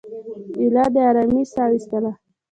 ایله د آرامۍ ساه وایستله.